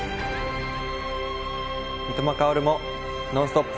三笘薫も「ノンストップ！」。